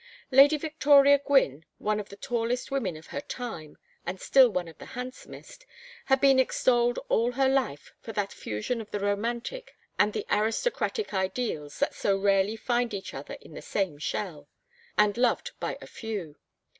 Lady Victoria Gwynne, one of the tallest women of her time and still one of the handsomest, had been extolled all her life for that fusion of the romantic and the aristocratic ideals that so rarely find each other in the same shell; and loved by a few.